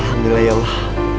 alhamdulillah ya allah